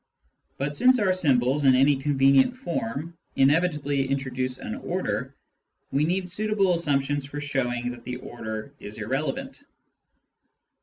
But sinpe our symbols, in any convenient form, inevitably introduce an order, we need suitable assumptions for showing that the order is irrelevant.